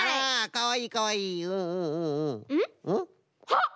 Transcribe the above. あっ！